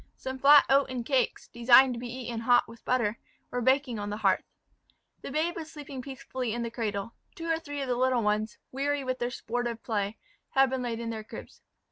Some flat oaten cakes, designed to be eaten hot with butter, were baking on the hearth. The babe was sleeping peacefully in the cradle; two or three of the other little ones, weary with their sportive play, had been laid in their cribs.